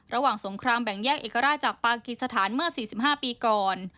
ระหว่างสงครามแบ่งแยกเอกร่าจากปากฤทธิ์สถานเมื่อ๔๕ปีก่อน